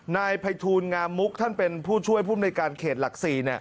นายภัยทูลงามมุกท่านเป็นผู้ช่วยภูมิในการเขตหลัก๔